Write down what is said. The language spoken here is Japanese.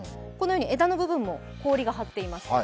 このように枝の部分も氷が張っています。